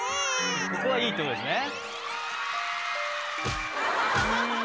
・ここはいいってことですね・